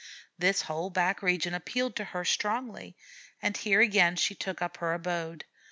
This whole back region appealed to her strongly, and here again she took up her abode.